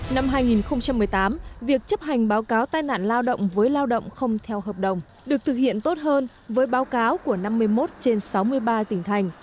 năm hai nghìn một mươi tám việc chấp hành báo cáo tai nạn lao động với lao động không theo hợp đồng được thực hiện tốt hơn với báo cáo của năm mươi một trên sáu mươi ba tỉnh thành